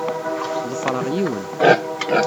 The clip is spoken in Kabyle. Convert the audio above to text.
Ḍefreɣ yiwen.